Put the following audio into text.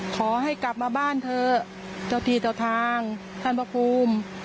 ขอให้กลับมาบ้านเถอะเจ้าที่เจ้าทางท่านพระภูมิ